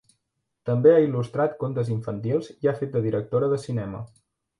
També ha il·lustrat contes infantils i ha fet de directora de cinema.